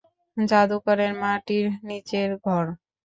জাদুকরের মাটির নিচের ঘর?